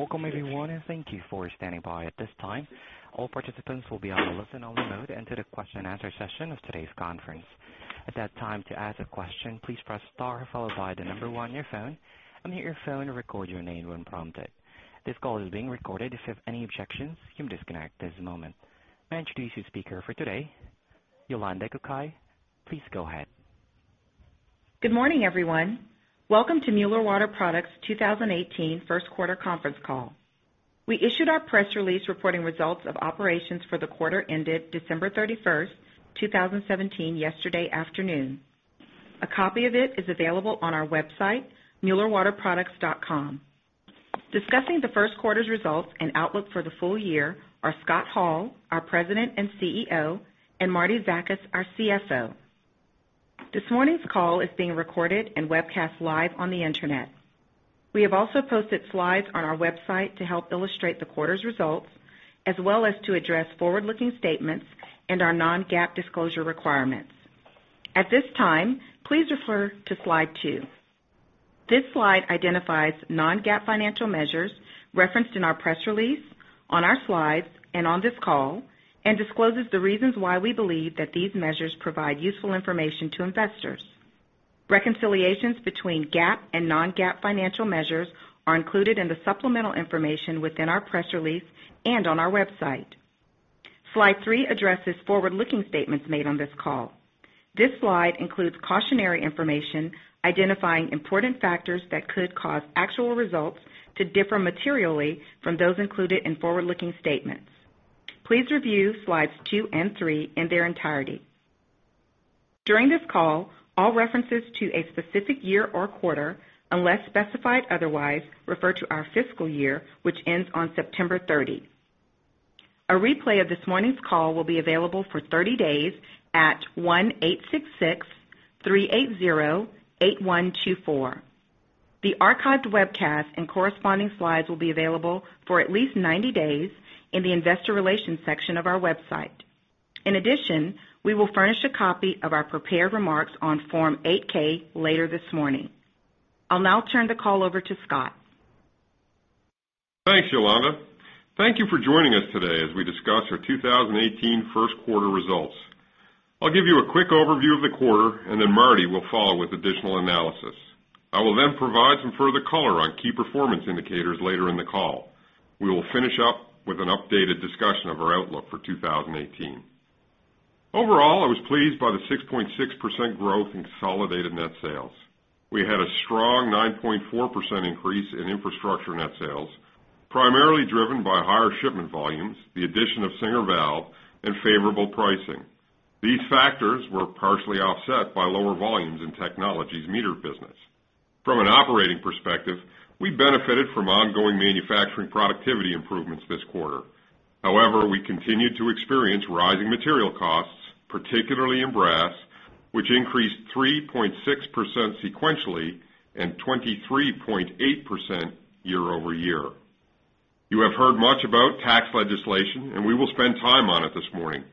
Welcome, everyone, and thank you for standing by. At this time, all participants will be on a listen-only mode until the question and answer session of today's conference. At that time, to ask a question, please press star 1 on your phone, unmute your phone, and record your name when prompted. This call is being recorded. If you have any objections, you may disconnect at this moment. May I introduce your speaker for today, Yolanda Kokayi. Please go ahead. Good morning, everyone. Welcome to Mueller Water Products' 2018 first quarter conference call. We issued our press release reporting results of operations for the quarter ended December 31st, 2017, yesterday afternoon. A copy of it is available on our website, muellerwaterproducts.com. Discussing the first quarter's results and outlook for the full year are Scott Hall, our President and CEO, and Marty Zakas, our CFO. This morning's call is being recorded and webcast live on the internet. We have also posted slides on our website to help illustrate the quarter's results, as well as to address forward-looking statements and our non-GAAP disclosure requirements. At this time, please refer to Slide 2. This slide identifies non-GAAP financial measures referenced in our press release, on our slides, and on this call, and discloses the reasons why we believe that these measures provide useful information to investors. Reconciliations between GAAP and non-GAAP financial measures are included in the supplemental information within our press release and on our website. Slide three addresses forward-looking statements made on this call. This slide includes cautionary information identifying important factors that could cause actual results to differ materially from those included in forward-looking statements. Please review Slides two and three in their entirety. During this call, all references to a specific year or quarter, unless specified otherwise, refer to our fiscal year, which ends on September 30. A replay of this morning's call will be available for 30 days at 1-866-380-8124. The archived webcast and corresponding slides will be available for at least 90 days in the investor relations section of our website. In addition, we will furnish a copy of our prepared remarks on Form 8-K later this morning. I'll now turn the call over to Scott. Thanks, Yolanda. Thank you for joining us today as we discuss our 2018 first quarter results. I'll give you a quick overview of the quarter. Marty will follow with additional analysis. I will then provide some further color on key performance indicators later in the call. We will finish up with an updated discussion of our outlook for 2018. Overall, I was pleased by the 6.6% growth in consolidated net sales. We had a strong 9.4% increase in infrastructure net sales, primarily driven by higher shipment volumes, the addition of Singer Valve, and favorable pricing. These factors were partially offset by lower volumes in Technologies meter business. From an operating perspective, we benefited from ongoing manufacturing productivity improvements this quarter. However, we continued to experience rising material costs, particularly in brass, which increased 3.6% sequentially and 23.8% year-over-year. You have heard much about tax legislation, and we will spend time on it this morning.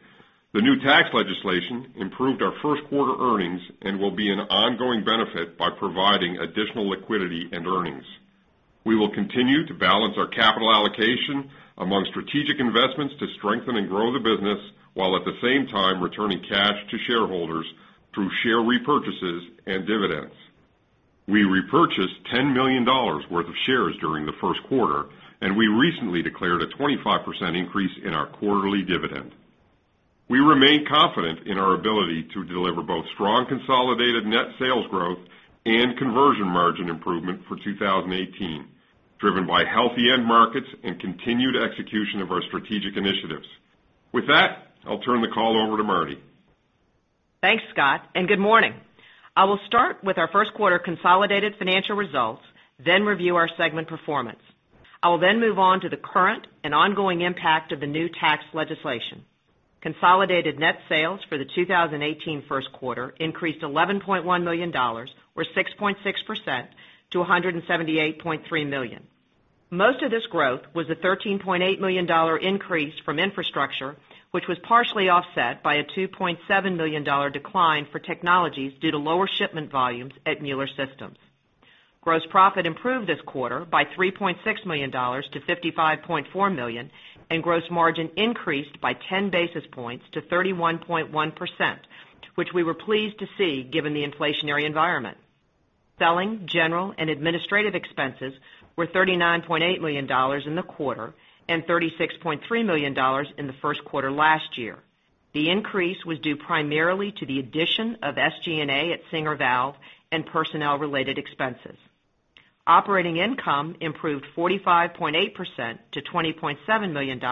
The new tax legislation improved our first quarter earnings and will be an ongoing benefit by providing additional liquidity and earnings. We will continue to balance our capital allocation among strategic investments to strengthen and grow the business while at the same time returning cash to shareholders through share repurchases and dividends. We repurchased $10 million worth of shares during the first quarter, and we recently declared a 25% increase in our quarterly dividend. We remain confident in our ability to deliver both strong consolidated net sales growth and conversion margin improvement for 2018, driven by healthy end markets and continued execution of our strategic initiatives. With that, I'll turn the call over to Marty. Thanks, Scott, and good morning. I will start with our first quarter consolidated financial results, then review our segment performance. I will then move on to the current and ongoing impact of the new tax legislation. Consolidated net sales for the 2018 first quarter increased $11.1 million or 6.6% to $178.3 million. Most of this growth was a $13.8 million increase from infrastructure, which was partially offset by a $2.7 million decline for Technologies due to lower shipment volumes at Mueller Systems. Gross profit improved this quarter by $3.6 million to $55.4 million, and gross margin increased by 10 basis points to 31.1%, which we were pleased to see given the inflationary environment. Selling, general, and administrative expenses were $39.8 million in the quarter and $36.3 million in the first quarter last year. The increase was due primarily to the addition of SG&A at Singer Valve and personnel-related expenses. Operating income improved 45.8% to $20.7 million,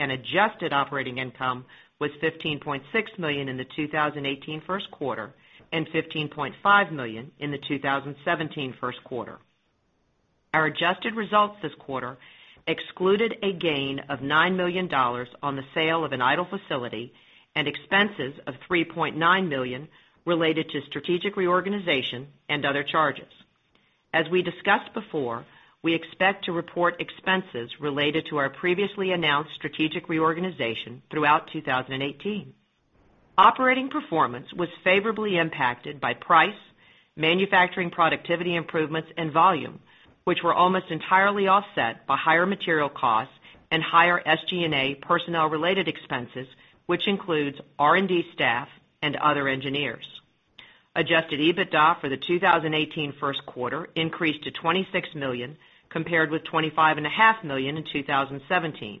and adjusted operating income was $15.6 million in the 2018 first quarter and $15.5 million in the 2017 first quarter. Our adjusted results this quarter excluded a gain of $9 million on the sale of an idle facility and expenses of $3.9 million related to strategic reorganization and other charges. As we discussed before, we expect to report expenses related to our previously announced strategic reorganization throughout 2018. Operating performance was favorably impacted by price, manufacturing productivity improvements, and volume, which were almost entirely offset by higher material costs and higher SG&A personnel-related expenses, which includes R&D staff and other engineers. Adjusted EBITDA for the 2018 first quarter increased to $26 million, compared with $25.5 million in 2017.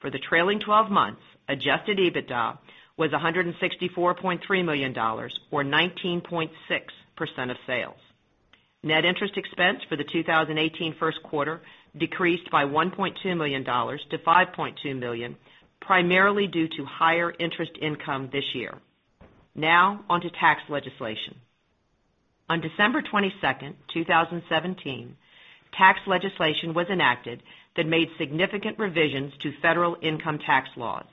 For the trailing 12 months, adjusted EBITDA was $164.3 million, or 19.6% of sales. Net interest expense for the 2018 first quarter decreased by $1.2 million to $5.2 million, primarily due to higher interest income this year. Now on to tax legislation. On December 22nd, 2017, tax legislation was enacted that made significant revisions to federal income tax laws.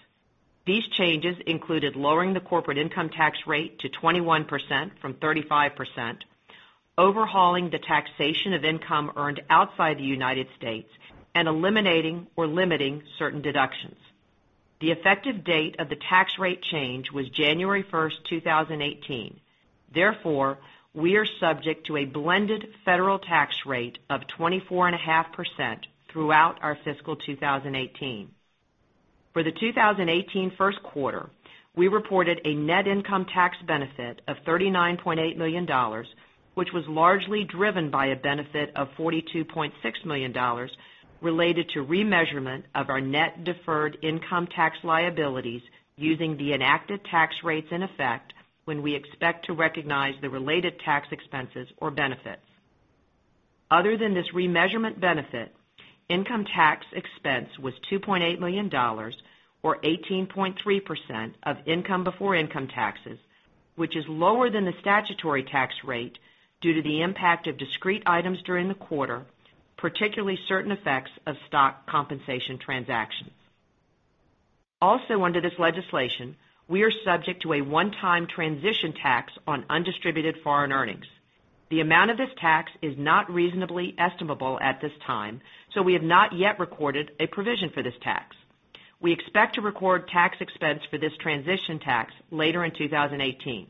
These changes included lowering the corporate income tax rate to 21% from 35%, overhauling the taxation of income earned outside the United States, and eliminating or limiting certain deductions. The effective date of the tax rate change was January 1st, 2018. We are subject to a blended federal tax rate of 24.5% throughout our fiscal 2018. For the 2018 first quarter, we reported a net income tax benefit of $39.8 million, which was largely driven by a benefit of $42.6 million related to remeasurement of our net deferred income tax liabilities using the enacted tax rates in effect when we expect to recognize the related tax expenses or benefits. Other than this remeasurement benefit, income tax expense was $2.8 million, or 18.3% of income before income taxes, which is lower than the statutory tax rate due to the impact of discrete items during the quarter, particularly certain effects of stock compensation transactions. Also, under this legislation, we are subject to a one-time transition tax on undistributed foreign earnings. The amount of this tax is not reasonably estimable at this time. We have not yet recorded a provision for this tax. We expect to record tax expense for this transition tax later in 2018.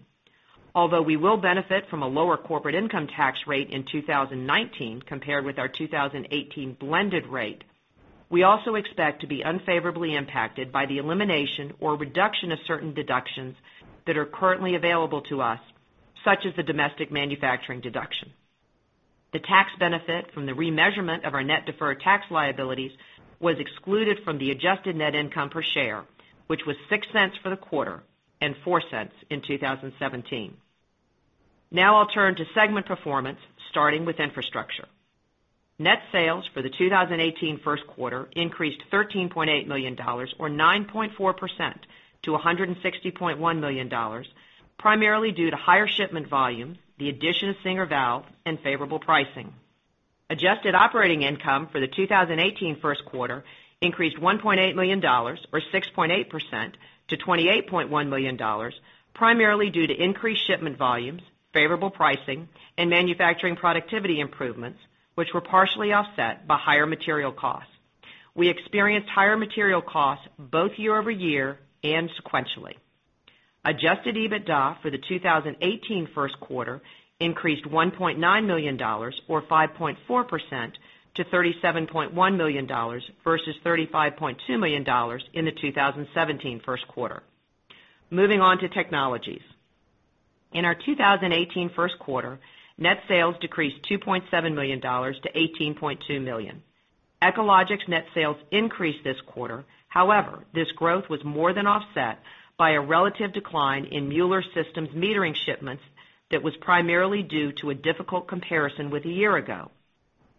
Although we will benefit from a lower corporate income tax rate in 2019 compared with our 2018 blended rate, we also expect to be unfavorably impacted by the elimination or reduction of certain deductions that are currently available to us, such as the domestic manufacturing deduction. The tax benefit from the remeasurement of our net deferred tax liabilities was excluded from the adjusted net income per share, which was $0.06 for the quarter and $0.04 in 2017. I'll turn to segment performance, starting with infrastructure. Net sales for the 2018 first quarter increased to $13.8 million, or 9.4% to $160.1 million, primarily due to higher shipment volumes, the addition of Singer Valve, and favorable pricing. Adjusted operating income for the 2018 first quarter increased $1.8 million, or 6.8% to $28.1 million, primarily due to increased shipment volumes, favorable pricing, and manufacturing productivity improvements, which were partially offset by higher material costs. We experienced higher material costs both year-over-year and sequentially. Adjusted EBITDA for the 2018 first quarter increased $1.9 million, or 5.4% to $37.1 million versus $35.2 million in the 2017 first quarter. Moving on to Technologies. In our 2018 first quarter, net sales decreased $2.7 million to $18.2 million. Echologics net sales increased this quarter. This growth was more than offset by a relative decline in Mueller Systems metering shipments that was primarily due to a difficult comparison with a year-ago.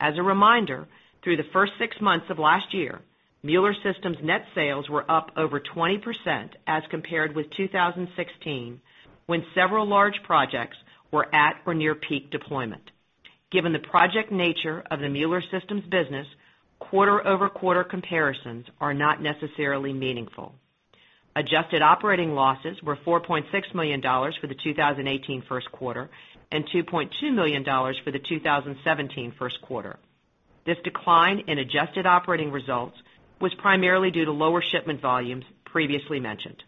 As a reminder, through the first six months of last year, Mueller Systems' net sales were up over 20% as compared with 2016, when several large projects were at or near peak deployment. Given the project nature of the Mueller Systems business, quarter-over-quarter comparisons are not necessarily meaningful. Adjusted operating losses were $4.6 million for the 2018 first quarter and $2.2 million for the 2017 first quarter. This decline in adjusted operating results was primarily due to lower shipment volumes previously mentioned.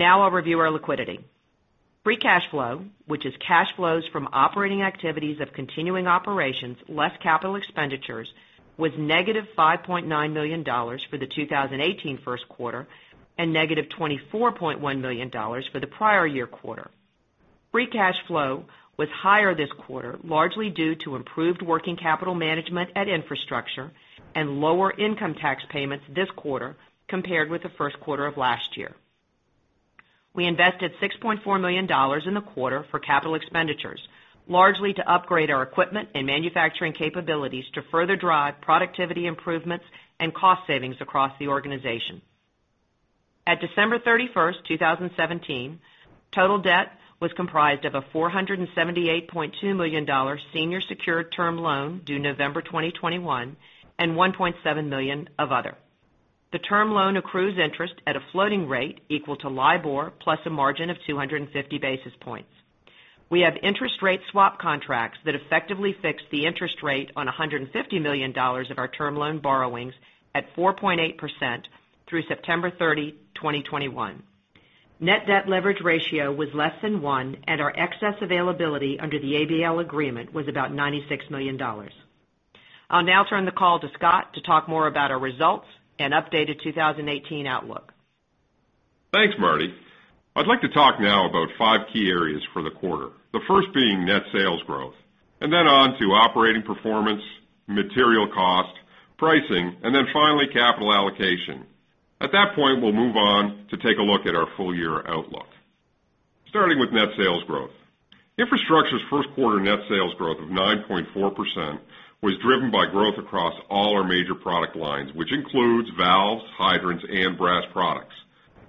I'll review our liquidity. Free cash flow, which is cash flows from operating activities of continuing operations less capital expenditures, was negative $5.9 million for the 2018 first quarter and negative $24.1 million for the prior year quarter. Free cash flow was higher this quarter, largely due to improved working capital management at Infrastructure and lower income tax payments this quarter compared with the first quarter of last year. We invested $6.4 million in the quarter for capital expenditures, largely to upgrade our equipment and manufacturing capabilities to further drive productivity improvements and cost savings across the organization. At December 31st, 2017, total debt was comprised of a $478.2 million senior secured term loan due November 2021 and 1.7 million of other. The term loan accrues interest at a floating rate equal to LIBOR plus a margin of 250 basis points. We have interest rate swap contracts that effectively fix the interest rate on $150 million of our term loan borrowings at 4.8% through September 30, 2021. Net debt leverage ratio was less than 1, and our excess availability under the ABL agreement was about $96 million. I'll now turn the call to Scott to talk more about our results and updated 2018 outlook. Thanks, Marty. I'd like to talk now about 5 key areas for the quarter, the first being net sales growth, and then on to operating performance, material cost, pricing, and then finally, capital allocation. At that point, we'll move on to take a look at our full-year outlook. Starting with net sales growth. Infrastructure's first quarter net sales growth of 9.4% was driven by growth across all our major product lines, which includes valves, hydrants, and brass products.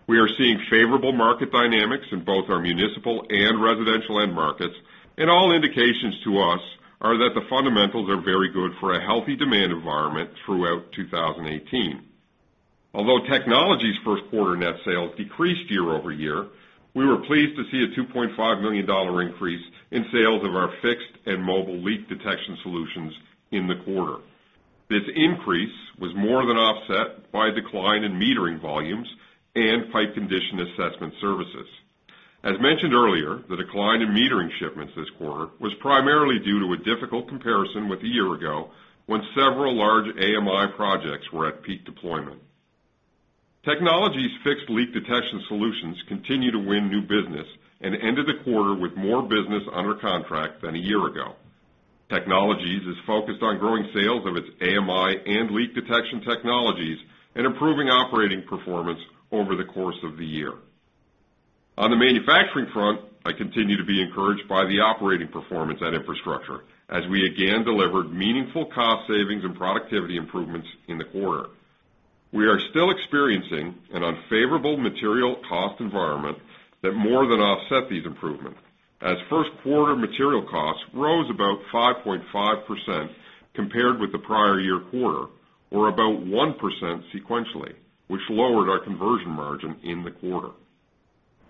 We are seeing favorable market dynamics in both our municipal and residential end markets, and all indications to us are that the fundamentals are very good for a healthy demand environment throughout 2018. Although Technology's first quarter net sales decreased year-over-year, we were pleased to see a $2.5 million increase in sales of our fixed and mobile leak detection solutions in the quarter. This increase was more than offset by a decline in metering volumes and pipe condition assessment services. As mentioned earlier, the decline in metering shipments this quarter was primarily due to a difficult comparison with a year ago when several large AMI projects were at peak deployment. Technology's fixed leak detection solutions continue to win new business and ended the quarter with more business under contract than a year ago. Technologies is focused on growing sales of its AMI and leak detection technologies and improving operating performance over the course of the year. On the manufacturing front, I continue to be encouraged by the operating performance at Infrastructure, as we again delivered meaningful cost savings and productivity improvements in the quarter. We are still experiencing an unfavorable material cost environment that more than offset these improvements, as first quarter material costs rose about 5.5% compared with the prior year quarter, or about 1% sequentially, which lowered our conversion margin in the quarter.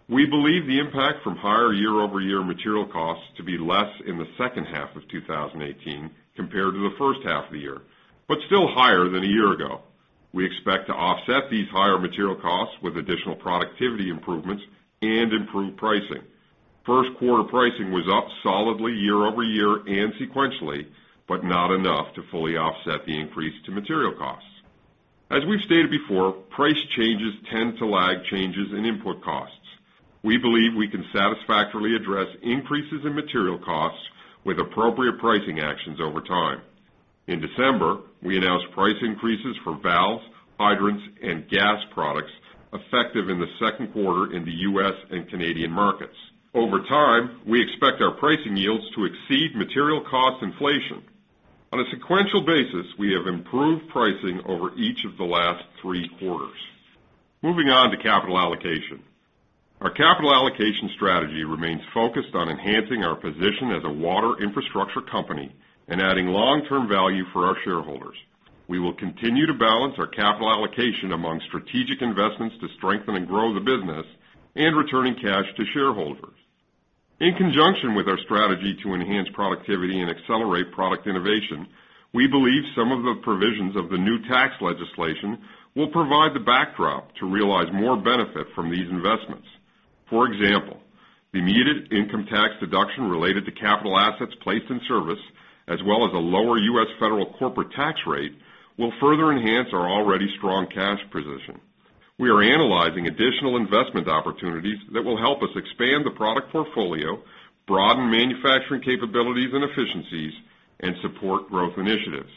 We believe the impact from higher year-over-year material costs to be less in the second half of 2018 compared to the first half of the year, but still higher than a year ago. We expect to offset these higher material costs with additional productivity improvements and improved pricing. First quarter pricing was up solidly year-over-year and sequentially, but not enough to fully offset the increase to material costs. As we've stated before, price changes tend to lag changes in input costs. We believe we can satisfactorily address increases in material costs with appropriate pricing actions over time. In December, we announced price increases for valves, hydrants, and gas products effective in the second quarter in the U.S. and Canadian markets. Over time, we expect our pricing yields to exceed material cost inflation. On a sequential basis, we have improved pricing over each of the last three quarters. Moving on to capital allocation. Our capital allocation strategy remains focused on enhancing our position as a water infrastructure company and adding long-term value for our shareholders. We will continue to balance our capital allocation among strategic investments to strengthen and grow the business and returning cash to shareholders. In conjunction with our strategy to enhance productivity and accelerate product innovation, we believe some of the provisions of the new tax legislation will provide the backdrop to realize more benefit from these investments. For example, the immediate income tax deduction related to capital assets placed in service as well as a lower U.S. federal corporate tax rate will further enhance our already strong cash position. We are analyzing additional investment opportunities that will help us expand the product portfolio, broaden manufacturing capabilities and efficiencies, and support growth initiatives.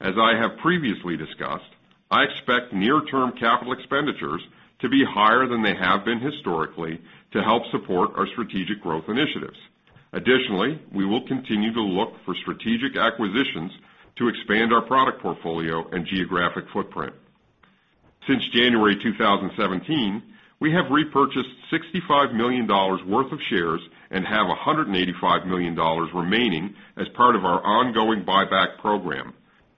As I have previously discussed, I expect near-term capital expenditures to be higher than they have been historically to help support our strategic growth initiatives. Additionally, we will continue to look for strategic acquisitions to expand our product portfolio and geographic footprint. Since January 2017, we have repurchased $65 million worth of shares and have $185 million remaining as part of our ongoing buyback program.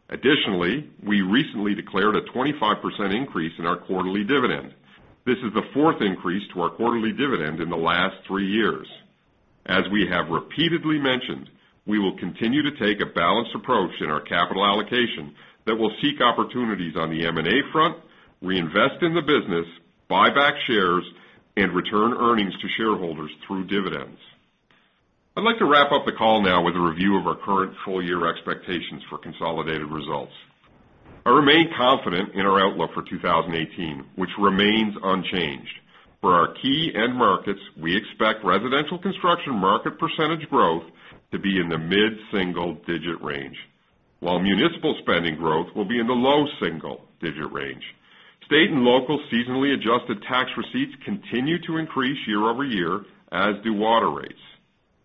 Additionally, we recently declared a 25% increase in our quarterly dividend. This is the fourth increase to our quarterly dividend in the last three years. As we have repeatedly mentioned, we will continue to take a balanced approach in our capital allocation that will seek opportunities on the M&A front, reinvest in the business, buy back shares, and return earnings to shareholders through dividends. I'd like to wrap up the call now with a review of our current full-year expectations for consolidated results. I remain confident in our outlook for 2018, which remains unchanged. For our key end markets, we expect residential construction market percentage growth to be in the mid-single-digit range, while municipal spending growth will be in the low single-digit range. State and local seasonally adjusted tax receipts continue to increase year-over-year, as do water rates,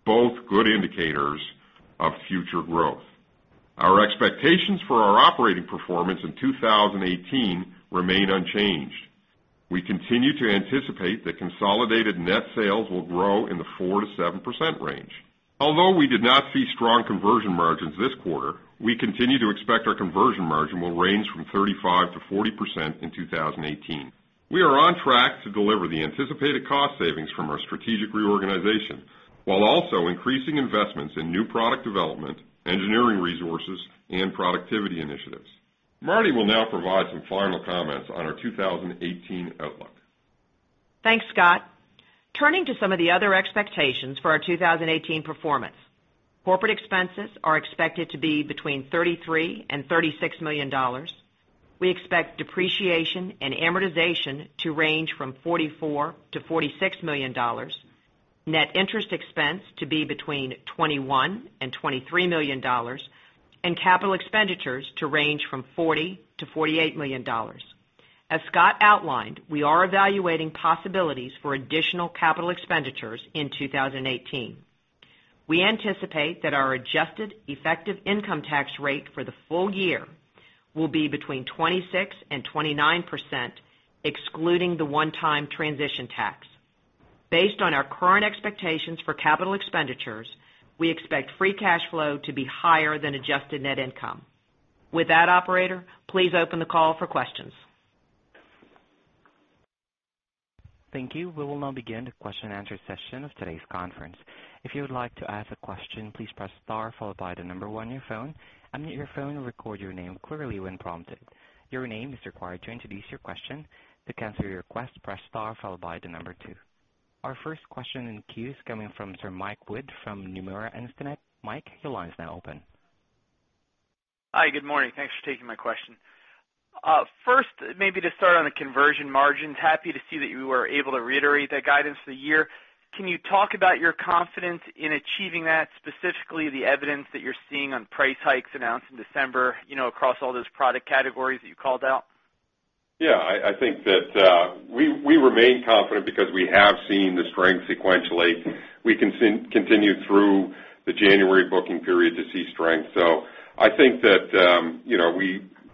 both good indicators of future growth. Our expectations for our operating performance in 2018 remain unchanged. We continue to anticipate that consolidated net sales will grow in the 4% to 7% range. Although we did not see strong conversion margins this quarter, we continue to expect our conversion margin will range from 35%-40% in 2018. We are on track to deliver the anticipated cost savings from our strategic reorganization, while also increasing investments in new product development, engineering resources, and productivity initiatives. Marty will now provide some final comments on our 2018 outlook. Thanks, Scott. Turning to some of the other expectations for our 2018 performance. Corporate expenses are expected to be between $33 million and $36 million. We expect depreciation and amortization to range from $44 million-$46 million, net interest expense to be between $21 million and $23 million, and capital expenditures to range from $40 million-$48 million. As Scott outlined, we are evaluating possibilities for additional capital expenditures in 2018. We anticipate that our adjusted effective income tax rate for the full year will be between 26% and 29%, excluding the one-time transition tax. Based on our current expectations for capital expenditures, we expect free cash flow to be higher than adjusted net income. With that operator, please open the call for questions. Thank you. We will now begin the question and answer session of today's conference. If you would like to ask a question, please press star followed by the number one on your phone, unmute your phone, and record your name clearly when prompted. Your name is required to introduce your question. To cancel your request, press star followed by the number two. Our first question in queue is coming from Mike Wood from Nomura Instinet. Mike, your line is now open. Hi, good morning. Thanks for taking my question. First, maybe to start on the conversion margins. Happy to see that you were able to reiterate that guidance for the year. Can you talk about your confidence in achieving that, specifically the evidence that you're seeing on price hikes announced in December, across all those product categories that you called out? I think we remain confident because we have seen the strength sequentially. We continued through the January booking period to see strength. I think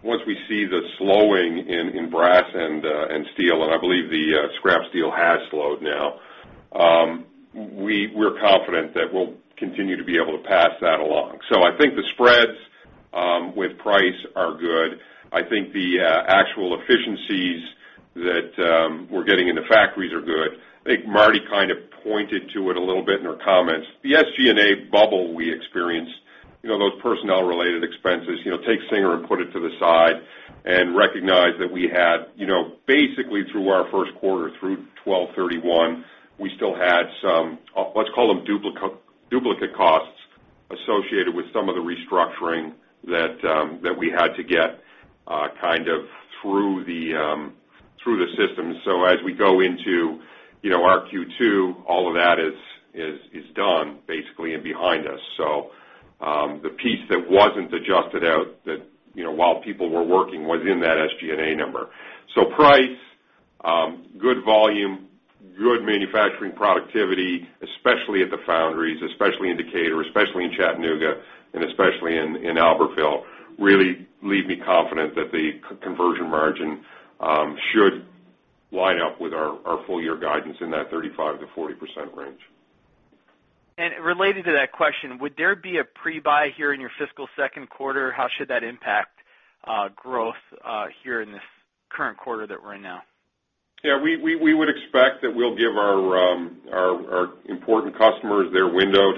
once we see the slowing in brass and steel, and I believe the scrap steel has slowed now, we're confident that we'll continue to be able to pass that along. I think the spreads with price are good. I think the actual efficiencies that we're getting in the factories are good. I think Marty Zakas kind of pointed to it a little bit in her comments. The SG&A bubble we experienced, those personnel-related expenses. Take Singer Valve and put it to the side and recognize that we had basically through our first quarter through 12/31, we still had some, let's call them duplicate costs associated with some of the restructuring that we had to get kind of through the system. As we go into our Q2, all of that is done basically and behind us. The piece that wasn't adjusted out while people were working was in that SG&A number. Price, good volume, good manufacturing productivity, especially at the foundries, especially in Decatur, especially in Chattanooga, and especially in Albertville, really leave me confident that the conversion margin should line up with our full-year guidance in that 35%-40% range. Related to that question, would there be a pre-buy here in your fiscal second quarter? How should that impact growth here in this current quarter that we're in now? We would expect we'll give our important customers their window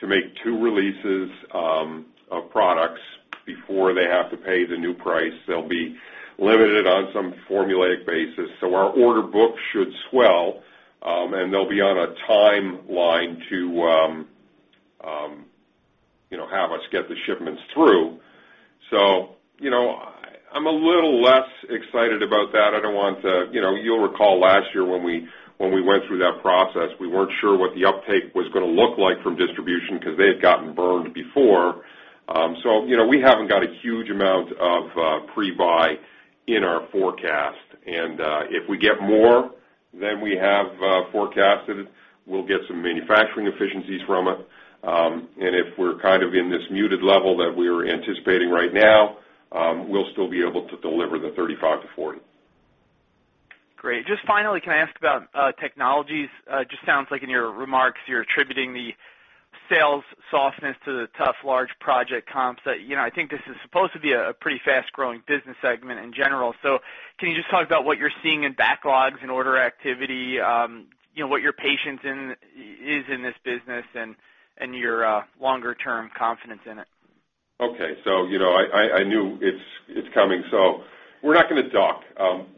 to make two releases of products before they have to pay the new price. They'll be limited on some formulaic basis. Our order book should swell, and they'll be on a timeline to have us get the shipments through. I'm a little less excited about that. You'll recall last year when we went through that process, we weren't sure what the uptake was going to look like from distribution because they had gotten burned before. We haven't got a huge amount of pre-buy in our forecast, and if we get more than we have forecasted, we'll get some manufacturing efficiencies from it. If we're kind of in this muted level that we're anticipating right now, we'll still be able to deliver the 35%-40%. Great. Just finally, can I ask about technologies? Just sounds like in your remarks you're attributing the sales softness to the tough large project comps that I think this is supposed to be a pretty fast-growing business segment in general. Can you just talk about what you're seeing in backlogs and order activity? What your patience is in this business and your longer-term confidence in it? Okay. I knew it's coming. We're not going to dock.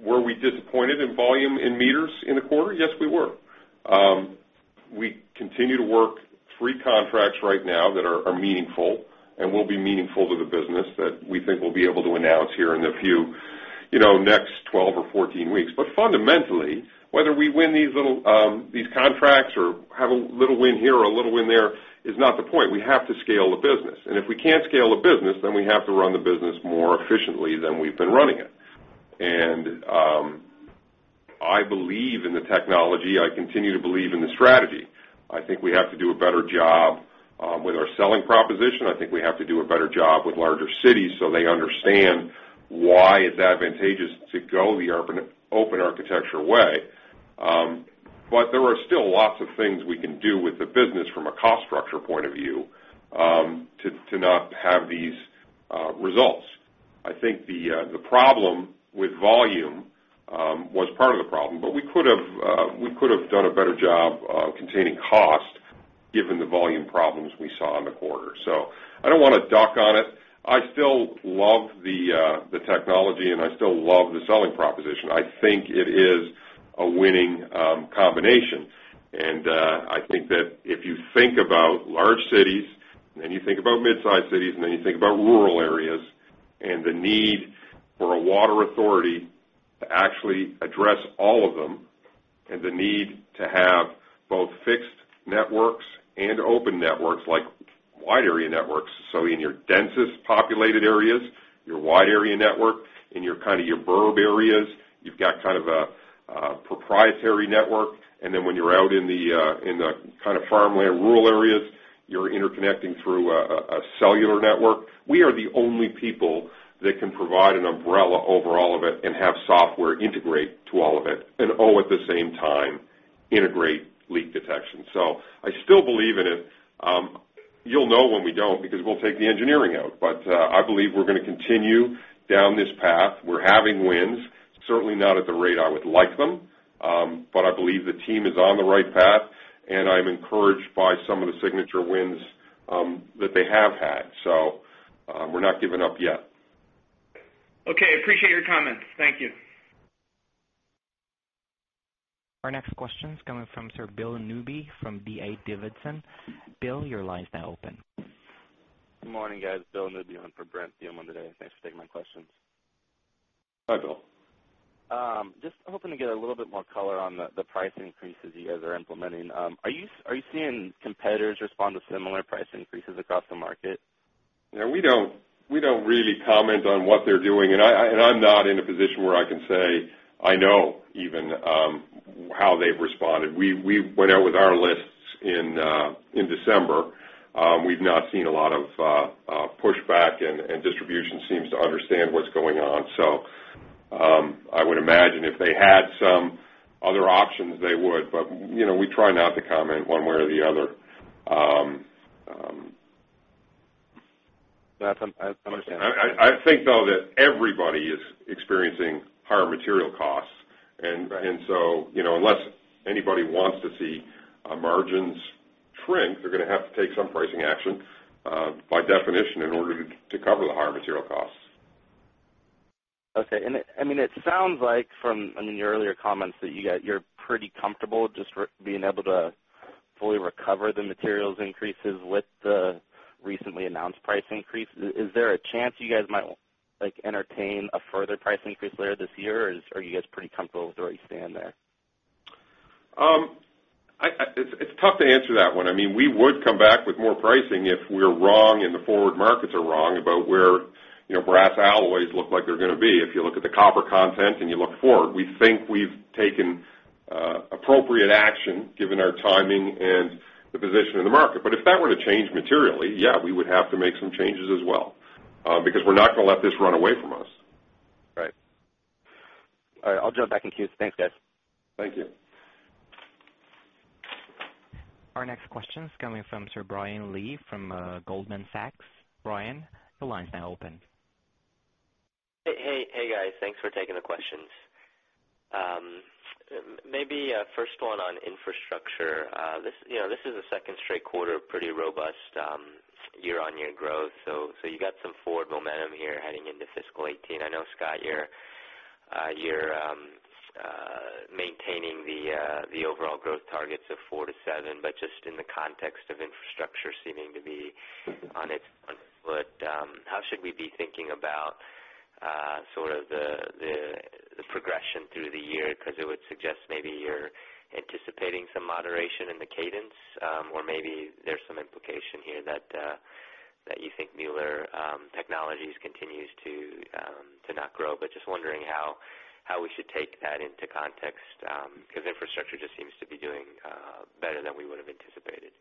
Were we disappointed in volume in meters in the quarter? Yes, we were. We continue to work 3 contracts right now that are meaningful and will be meaningful to the business that we think we'll be able to announce here in the next 12 or 14 weeks. Fundamentally, whether we win these contracts or have a little win here or a little win there is not the point. We have to scale the business. If we can't scale the business, then we have to run the business more efficiently than we've been running it. I believe in the technology. I continue to believe in the strategy. I think we have to do a better job with our selling proposition. I think we have to do a better job with larger cities so they understand why it's advantageous to go the open architecture way. There are still lots of things we can do with the business from a cost structure point of view, to not have these results. I think the problem with volume was part of the problem, but we could have done a better job containing cost given the volume problems we saw in the quarter. I don't want to dock on it. I still love the technology, and I still love the selling proposition. I think it is a winning combination. I think that if you think about large cities, and then you think about mid-size cities, and then you think about rural areas and the need for a water authority to actually address all of them, and the need to have both fixed networks and open networks like wide area networks. In your densest populated areas, your wide area network. Then when you're out in the farmland, rural areas, you're interconnecting through a cellular network. We are the only people that can provide an umbrella over all of it and have software integrate to all of it, and all at the same time, integrate leak detection. I still believe in it. You'll know when we don't because we'll take the engineering out. I believe we're going to continue down this path. We're having wins, certainly not at the rate I would like them. I believe the team is on the right path, and I'm encouraged by some of the signature wins that they have had. We're not giving up yet. Okay. Appreciate your comments. Thank you. Our next question's coming from Bill Newby from D.A. Davidson. Bill, your line's now open. Good morning, guys. Bill Newby on for Brent Thielman today. Thanks for taking my questions. Hi, Bill. Hoping to get a little bit more color on the price increases you guys are implementing. Are you seeing competitors respond to similar price increases across the market? We don't really comment on what they're doing, and I'm not in a position where I can say I know even how they've responded. We went out with our lists in December. We've not seen a lot of pushback, and distribution seems to understand what's going on. I would imagine if they had some other options, they would. We try not to comment one way or the other. That's, I understand. I think, though, that everybody is experiencing higher material costs. Unless anybody wants to see our margins shrink, they're going to have to take some pricing action, by definition, in order to cover the higher material costs. Okay. It sounds like from your earlier comments that you're pretty comfortable just being able to fully recover the materials increases with the recently announced price increase. Is there a chance you guys might entertain a further price increase later this year, or are you guys pretty comfortable with where you stand there? It's tough to answer that one. We would come back with more pricing if we're wrong and the forward markets are wrong about where brass alloys look like they're going to be. If you look at the copper content and you look forward, we think we've taken appropriate action given our timing and the position in the market. If that were to change materially, yeah, we would have to make some changes as well, because we're not going to let this run away from us. Right. All right, I'll jump back in queue. Thanks, guys. Thank you. Our next question's coming from Brian Lee from Goldman Sachs. Brian, your line's now open. First one on infrastructure. This is the second straight quarter, pretty robust year-on-year growth. You got some forward momentum here heading into FY 2018. I know, Scott, you're maintaining the overall growth targets of four to seven, just in the context of infrastructure seeming to be on its front foot, how should we be thinking about sort of the progression through the year? It would suggest maybe you're anticipating some moderation in the cadence, or maybe there's some implication here that you think Mueller Technologies continues to not grow. Just wondering how we should take that into context, because infrastructure just seems to be doing better than we would have anticipated.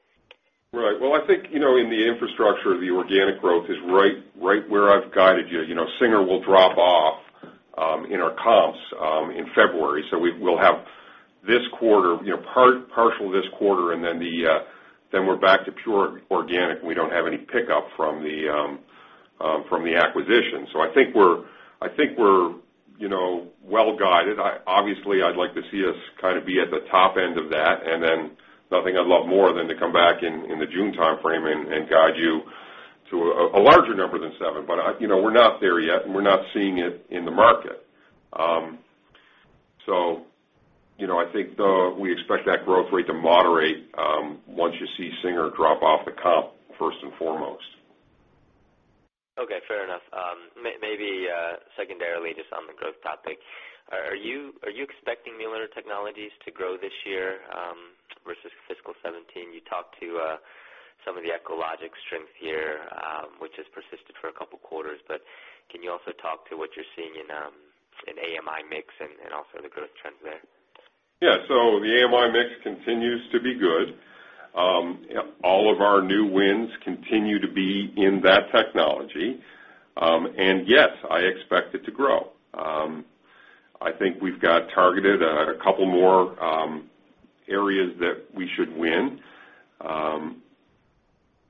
Right. Well, I think, in the infrastructure, the organic growth is right where I've guided you. Singer will drop off in our comps in February. We'll have this quarter, partial this quarter, and then we're back to pure organic, and we don't have any pickup from the acquisition. I think we're well-guided. Obviously, I'd like to see us kind of be at the top end of that, and then nothing I'd love more than to come back in the June timeframe and guide you to a larger number than seven. We're not there yet, and we're not seeing it in the market. I think though, we expect that growth rate to moderate once you see Singer drop off the comp, first and foremost. Okay. Fair enough. Maybe secondarily, just on the growth topic, are you expecting Mueller Technologies to grow this year versus fiscal 2017? You talked to some of the Echologics strength here, which has persisted for two quarters, can you also talk to what you're seeing in AMI mix and also the growth trends there? Yeah. The AMI mix continues to be good. All of our new wins continue to be in that technology, and yes, I expect it to grow. I think we've got targeted two more areas that we should win.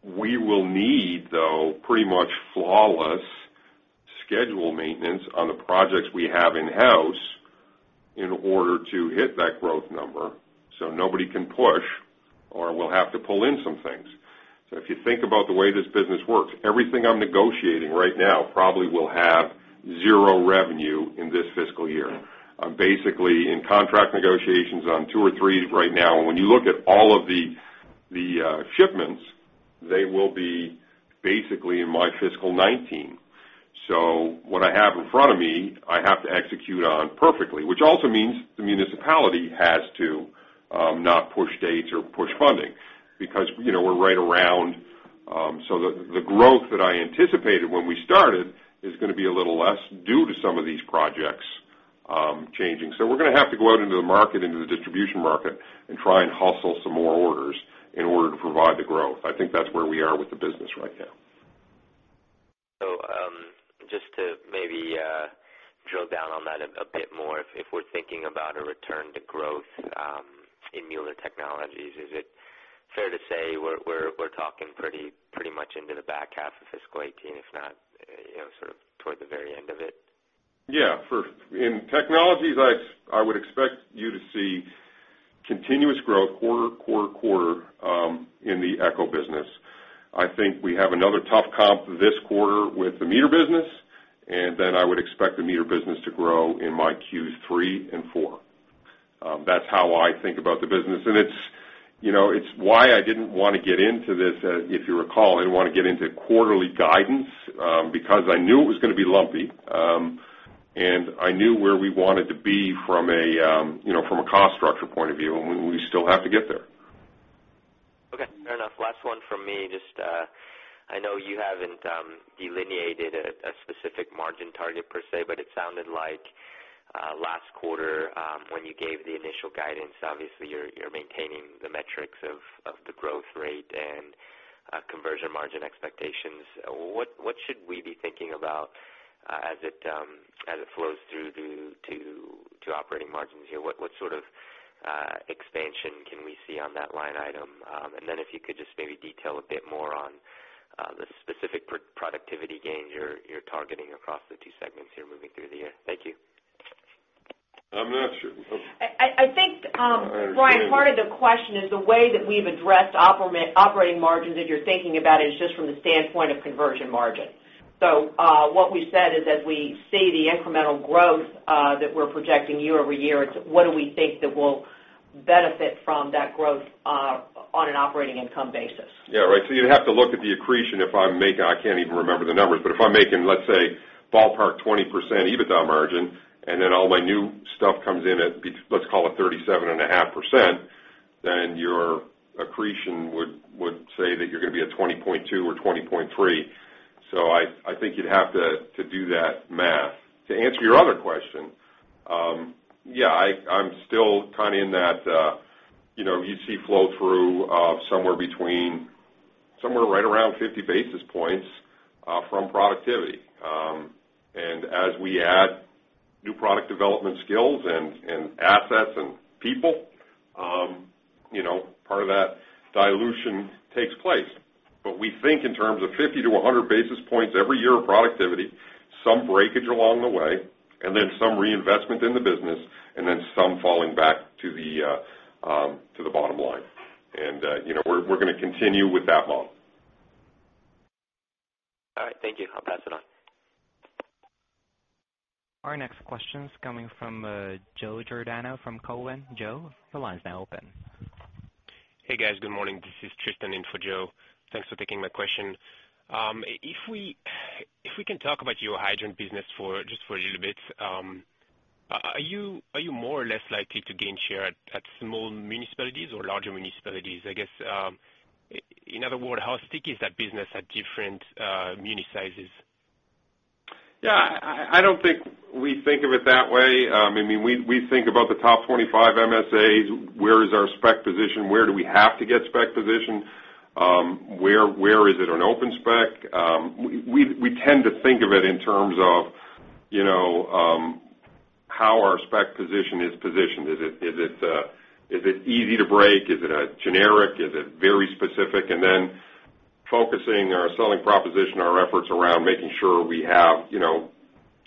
We will need, though, pretty much flawless schedule maintenance on the projects we have in-house in order to hit that growth number, nobody can push, or we'll have to pull in some things. If you think about the way this business works, everything I'm negotiating right now probably will have zero revenue in this fiscal year. I'm basically in contract negotiations on two or three right now. When you look at all of the shipments, they will be basically in my fiscal 2019. What I have in front of me, I have to execute on perfectly. Which also means the municipality has to not push dates or push funding, because we're right around. The growth that I anticipated when we started is going to be a little less due to some of these projects changing. We're going to have to go out into the market, into the distribution market, and try and hustle some more orders in order to provide the growth. I think that's where we are with the business right now. Just to maybe drill down on that a bit more, if we're thinking about a return to growth in Mueller Technologies, is it fair to say we're talking pretty much into the back half of fiscal 2018, if not sort of toward the very end of it? Yeah. In technologies, I would expect you to see continuous growth quarter in the Echo business. I think we have another tough comp this quarter with the meter business. I would expect the meter business to grow in my Q3 and four. That's how I think about the business. It's why I didn't want to get into this, if you recall, I didn't want to get into quarterly guidance because I knew it was going to be lumpy. I knew where we wanted to be from a cost structure point of view, and we still have to get there. Okay. Fair enough. Last one from me. I know you haven't delineated a specific margin target per se, but it sounded like last quarter when you gave the initial guidance, obviously you're maintaining the metrics of the growth rate and conversion margin expectations. What should we be thinking about as it flows through to operating margins here? What sort of expansion can we see on that line item? If you could just maybe detail a bit more on the specific productivity gains you're targeting across the two segments here moving through the year. Thank you. I'm not sure. I think, Brian. I understand Part of the question is the way that we've addressed operating margins, as you're thinking about it, is just from the standpoint of conversion margin. What we said is, as we see the incremental growth that we're projecting year-over-year, it's what do we think that we'll benefit from that growth on an operating income basis. Yeah. Right. You'd have to look at the accretion. I can't even remember the numbers, but if I'm making, let's say, ballpark 20% EBITDA margin, then all my new stuff comes in at, let's call it 37.5%, then your accretion would say that you're going to be at 20.2 or 20.3. I think you'd have to do that math. To answer your other question, yeah, I'm still kind of in that you'd see flow-through somewhere right around 50 basis points from productivity. As we add new product development skills and assets and people, part of that dilution takes place. We think in terms of 50 to 100 basis points every year of productivity, some breakage along the way, then some reinvestment in the business, then some falling back to the bottom line. We're going to continue with that model. All right. Thank you. I'll pass it on. Our next question's coming from Joe Giordano from Cowen. Joe, the line's now open. Hey, guys. Good morning. This is Tristan in for Joe. Thanks for taking my question. If we can talk about your hydrant business just for a little bit. Are you more or less likely to gain share at small municipalities or larger municipalities? I guess, in other words, how sticky is that business at different muni sizes? Yeah. I don't think we think of it that way. We think about the top 25 MSAs, where is our spec position, where do we have to get spec position, where is it on open spec? We tend to think of it in terms of how our spec position is positioned. Is it easy to break? Is it a generic? Is it very specific? Focusing our selling proposition, our efforts around making sure we have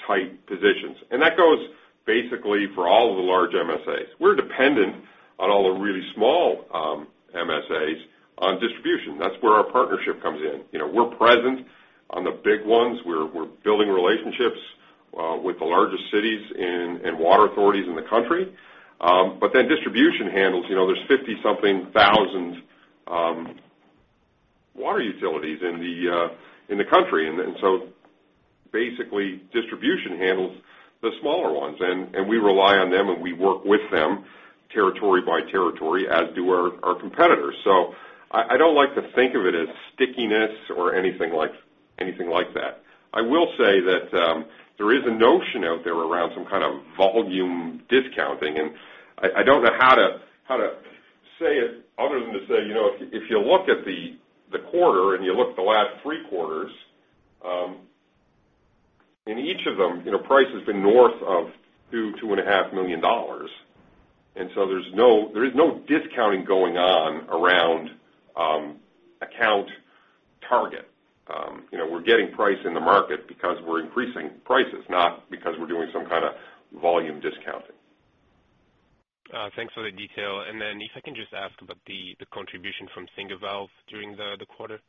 tight positions. That goes basically for all of the large MSAs. We're dependent on all the really small MSAs on distribution. That's where our partnership comes in. We're present on the big ones. We're building relationships with the largest cities and water authorities in the country. Distribution handles, there's 50 something thousand water utilities in the country. Basically, distribution handles the smaller ones, and we rely on them, and we work with them territory by territory, as do our competitors. I don't like to think of it as stickiness or anything like that. I will say that there is a notion out there around some kind of volume discounting, and I don't know how to say it other than to say, if you look at the quarter and you look at the last three quarters, in each of them, price has been north of $2 million, $2.5 million. There is no discounting going on around account target. We're getting price in the market because we're increasing prices, not because we're doing some kind of volume discounting. Thanks for the detail. If I can just ask about the contribution from Singer Valve during the quarter.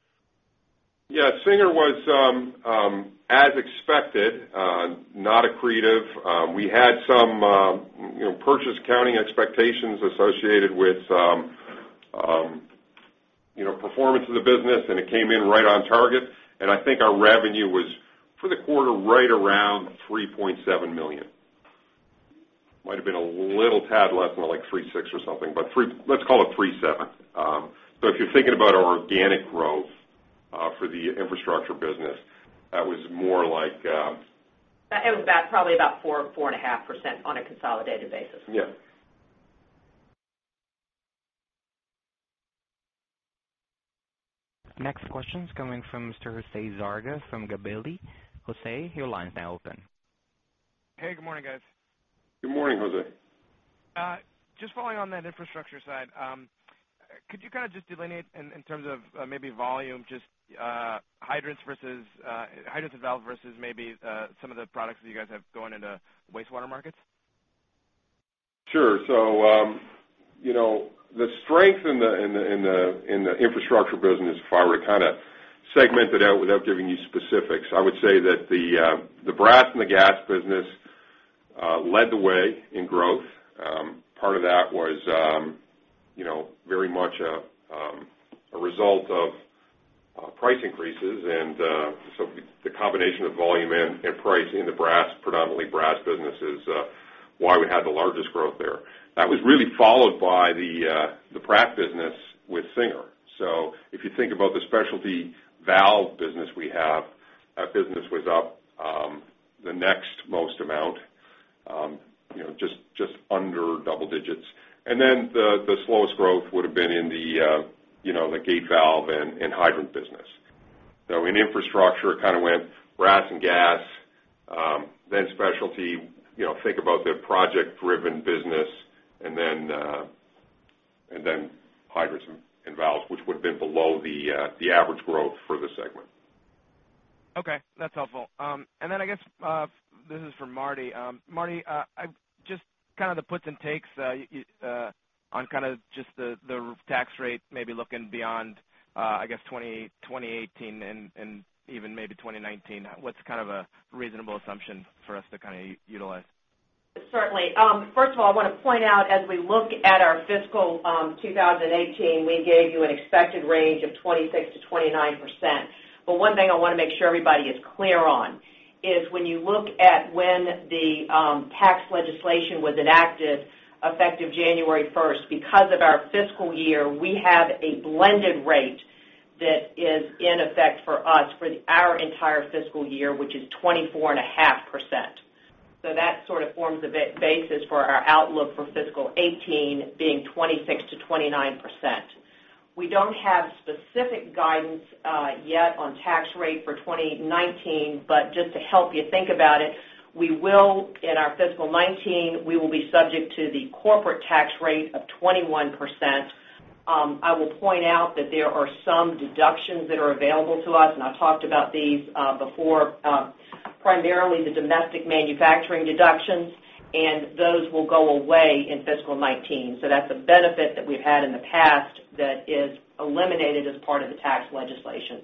Yeah, Singer was, as expected, not accretive. We had some purchase accounting expectations associated with performance of the business, it came in right on target. I think our revenue was, for the quarter, right around $3.7 million. Might've been a little tad less, more like $3.6 or something, but let's call it $3.7. If you're thinking about our organic growth for the infrastructure business, that was more like. It was probably about 4%, 4.5% on a consolidated basis. Yeah. Next question's coming from Mr. Jose Garza from Gabelli. Jose, your line is now open. Hey, good morning, guys. Good morning, Jose. Just following on that infrastructure side, could you kind of just delineate in terms of maybe volume, just hydrants and valve versus maybe some of the products that you guys have going into wastewater markets? Sure. The strength in the infrastructure business, if I were to kind of segment it out without giving you specifics, I would say that the brass and the gas business led the way in growth. Part of that was very much a result of price increases. The combination of volume and pricing in the predominantly brass business is why we had the largest growth there. That was really followed by the Pratt business with Singer. If you think about the specialty valve business we have, that business was up the next most amount, just under double digits. The slowest growth would've been in the gate valve and hydrant business. In infrastructure, it kind of went brass and gas, then specialty, think about the project-driven business, and then hydrants and valves, which would've been below the average growth for the segment. Okay, that's helpful. I guess this is for Marty. Marty, just kind of the puts and takes on kind of just the tax rate, maybe looking beyond, I guess, 2018 and even maybe 2019. What's kind of a reasonable assumption for us to utilize? Certainly. First of all, I want to point out as we look at our fiscal 2018, we gave you an expected range of 26%-29%. One thing I want to make sure everybody is clear on is when you look at when the tax legislation was enacted, effective January 1st, because of our fiscal year, we have a blended rate that is in effect for us for our entire fiscal year, which is 24.5%. That sort of forms a basis for our outlook for fiscal 2018 being 26%-29%. We don't have specific guidance yet on tax rate for 2019, but just to help you think about it, in our fiscal 2019, we will be subject to the corporate tax rate of 21%. I will point out that there are some deductions that are available to us, I've talked about these before, primarily the domestic manufacturing deductions, those will go away in fiscal 2019. That's a benefit that we've had in the past that is eliminated as part of the tax legislation.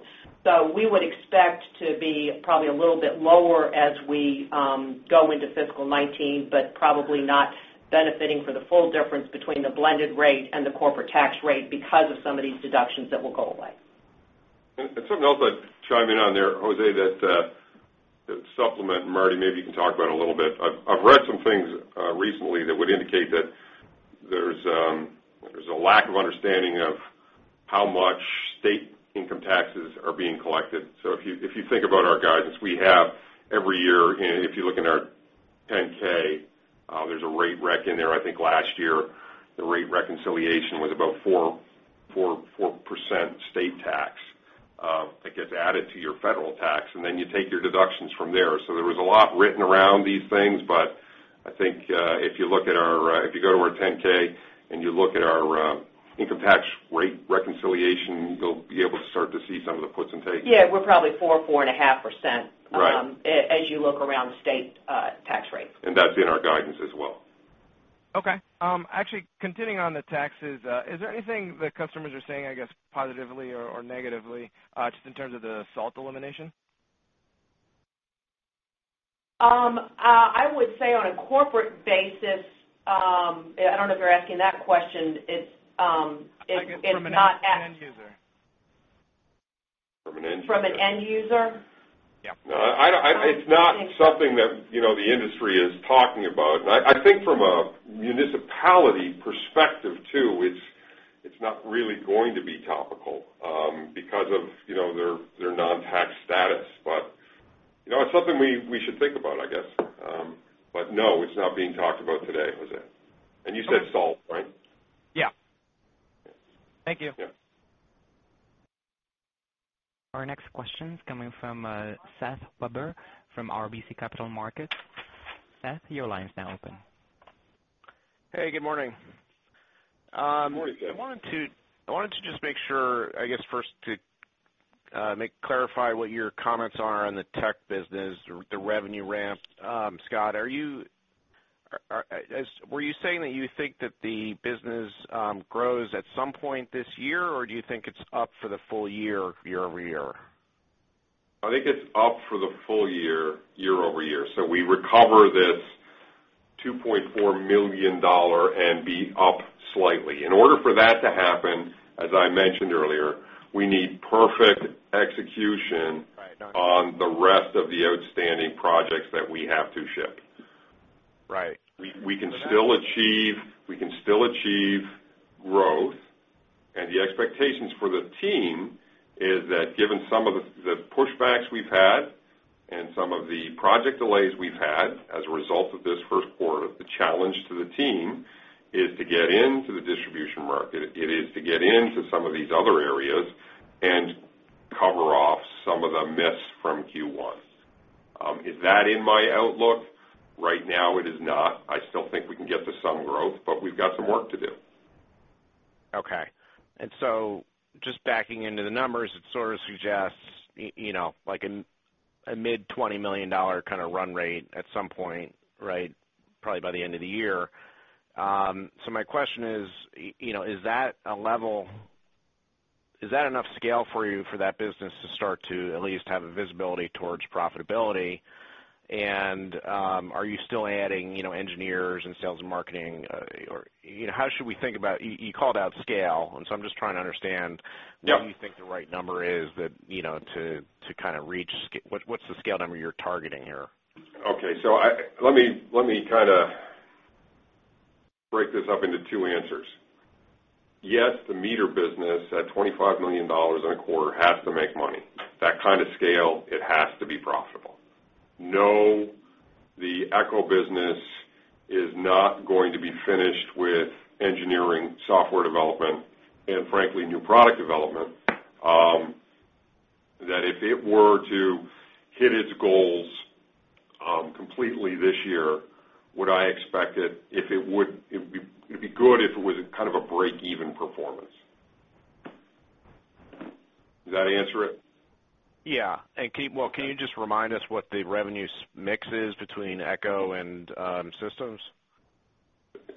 We would expect to be probably a little bit lower as we go into fiscal 2019, but probably not benefiting for the full difference between the blended rate and the corporate tax rate because of some of these deductions that will go away. Something else I'd chime in on there, Jose Garza, that to supplement, Marty Zakas, maybe you can talk about it a little bit. I've read some things recently that would indicate that there's a lack of understanding of how much state income taxes are being collected. If you think about our guidance, we have every year, if you look in our 10-K, there's a rate rec in there. I think last year the rate reconciliation was about 4% state tax that gets added to your federal tax, you take your deductions from there. There was a lot written around these things, but I think if you go to our 10-K and you look at our income tax rate reconciliation, you'll be able to start to see some of the puts and takes. Yeah, we're probably 4%, 4.5%. Right. As you look around state tax rates. That's in our guidance as well. Okay. Actually continuing on the taxes, is there anything that customers are saying, I guess, positively or negatively, just in terms of the SALT elimination? I would say on a corporate basis, I don't know if you're asking that question. It's not- Like from an end user. From an end user. From an end user? Yeah. It's not something that the industry is talking about. I think from a municipality perspective, really going to be topical because of their non-tax status. It's something we should think about, I guess. No, it's not being talked about today, was it? You said SALT, right? Yeah. Yeah. Thank you. Yeah. Our next question's coming from Seth Weber from RBC Capital Markets. Seth, your line is now open. Hey, good morning. Morning, Seth. I wanted to just make sure, I guess first to clarify what your comments are on the tech business, the revenue ramp. Scott, were you saying that you think that the business grows at some point this year, or do you think it's up for the full year-over-year? I think it's up for the full year-over-year. We recover this $2.4 million and be up slightly. In order for that to happen, as I mentioned earlier, we need perfect execution- Right on the rest of the outstanding projects that we have to ship. Right. We can still achieve growth. The expectations for the team is that given some of the pushbacks we've had and some of the project delays we've had as a result of this first quarter, the challenge to the team is to get into the distribution market. It is to get into some of these other areas and cover off some of the misses from Q1. Is that in my outlook? Right now, it is not. I still think we can get to some growth, but we've got some work to do. Okay. Just backing into the numbers, it sort of suggests like a mid $20 million kind of run rate at some point, right? Probably by the end of the year. My question is that enough scale for you for that business to start to at least have a visibility towards profitability? Are you still adding engineers and sales and marketing, or how should we think about? You called out scale, I'm just trying to understand. Yeah what you think the right number is to kind of reach scale. What's the scale number you're targeting here? Okay. Let me kind of break this up into two answers. Yes, the meter business at $25 million in a quarter has to make money. That kind of scale, it has to be profitable. No, the Echo business is not going to be finished with engineering, software development, and frankly, new product development. That if it were to hit its goals completely this year, would I expect it'd be good if it was kind of a break-even performance. Does that answer it? Yeah. Can you just remind us what the revenue mix is between Echologics and Mueller Systems?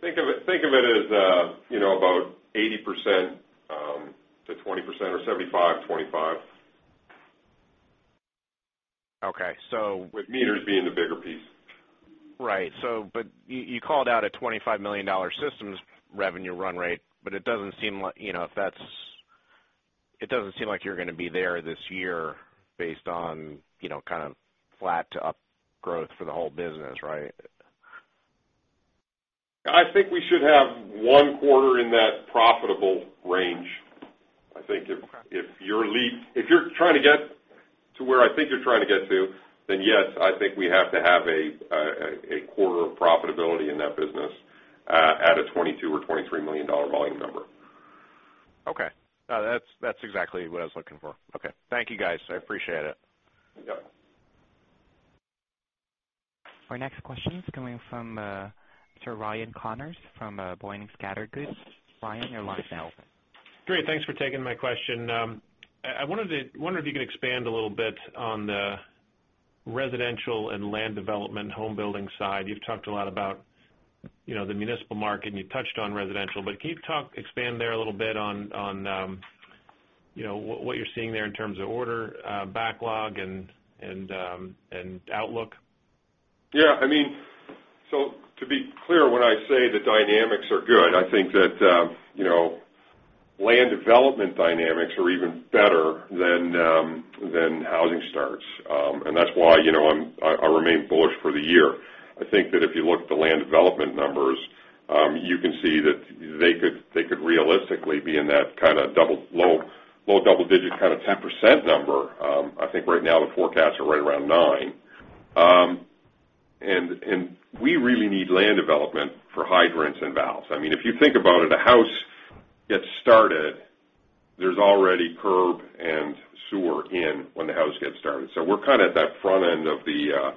Think of it as about 80% to 20% or 75/25. Okay. With meters being the bigger piece. Right. You called out a $25 million systems revenue run rate, but it doesn't seem like you're going to be there this year based on kind of flat to up growth for the whole business, right? I think we should have one quarter in that profitable range. I think if you're trying to get to where I think you're trying to get to, then yes, I think we have to have a quarter of profitability in that business at a $22 million or $23 million volume number. That's exactly what I was looking for. Thank you, guys. I appreciate it. You got it. Our next question is coming from Ryan Connors from Boenning & Scattergood. Ryan, your line is now open. Great. Thanks for taking my question. I wonder if you could expand a little bit on the residential and land development and home building side. You've talked a lot about the municipal market, you touched on residential, can you expand there a little bit on what you're seeing there in terms of order backlog and outlook? Yeah. To be clear, when I say the dynamics are good, I think that land development dynamics are even better than housing starts. That's why I remain bullish for the year. I think that if you look at the land development numbers, you can see that they could realistically be in that kind of low double digit kind of 10% number. I think right now the forecasts are right around 9. We really need land development for hydrants and valves. If you think about it, a house gets started, there's already curb and sewer in when the house gets started. We're kind of at that front end of the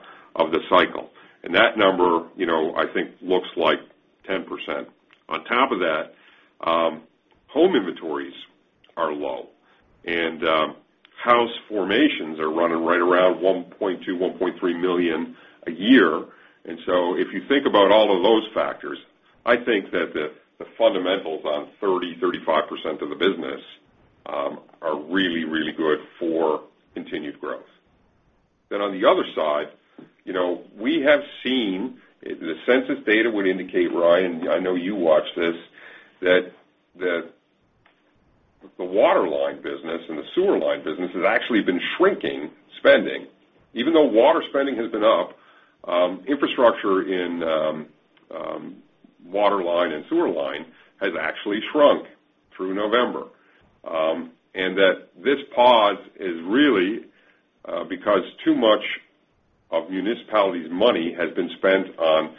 cycle, that number, I think looks like 10%. On top of that, home inventories are low, house formations are running right around 1.2 million, 1.3 million a year. If you think about all of those factors, I think that the fundamentals on 30%, 35% of the business are really, really good for continued growth. On the other side, we have seen, the census data would indicate, Ryan, I know you watch this, that the waterline business and the sewer line business has actually been shrinking spending. Even though water spending has been up Infrastructure in water line and sewer line has actually shrunk through November. This pause is really because too much of municipalities' money has been spent on